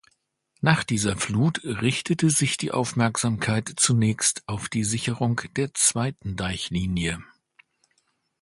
Nach dieser Flut richtete sich die Aufmerksamkeit zunächst auf die Sicherung der zweiten Deichlinie.